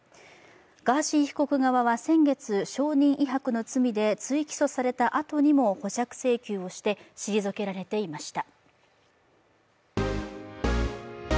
ガーシー被告側は先月証人威迫の罪で追起訴されたあとにも保釈請求をして、退けられていました。